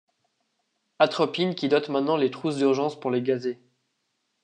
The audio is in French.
Atropine qui dote maintenant les trousses d'urgence pour les gazés.